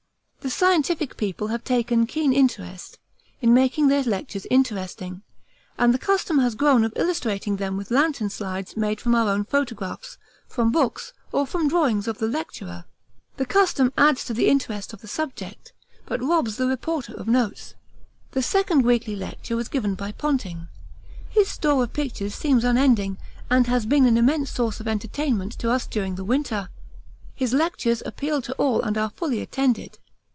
The scientific people have taken keen interest in making their lectures interesting, and the custom has grown of illustrating them with lantern slides made from our own photographs, from books, or from drawings of the lecturer. The custom adds to the interest of the subject, but robs the reporter of notes. The second weekly lecture was given by Ponting. His store of pictures seems unending and has been an immense source of entertainment to us during the winter. His lectures appeal to all and are fully attended.